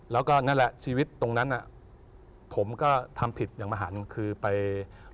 แล้วก็ใช่แหละชีวิตตรงนั้นผมก็ทำผิดอย่างมาหาทั้งคิด